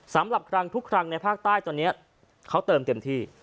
สำหรับครั้งทุกครั้งในภาคใต้ตอนนี้เขาเติมเต็มที่